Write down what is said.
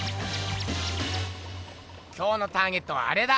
今日のターゲットはアレだ。